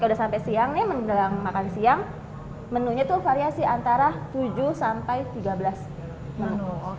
jadi udah sampai siang ini yang menurut saya makan siang menunya itu variasi antara tujuh sampai tiga belas menu